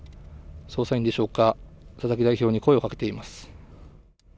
捜査員でしょうか、佐々木代表に声をかけています。